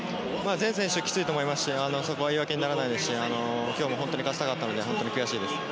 全選手きついと思いますし言い訳にならないと思いますし今日も本当に勝ちたかったので本当に悔しいです。